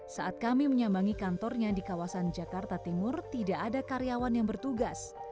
saat kami menyambangi kantornya di kawasan jakarta timur tidak ada karyawan yang bertugas